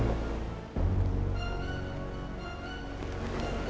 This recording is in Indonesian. jadi ada proyek jega